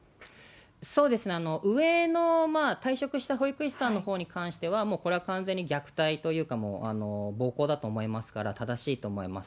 そうですね、上の退職した保育士さんのほうに関しては、もうこれは完全に虐待というか、暴行だと思いますから、正しいと思います。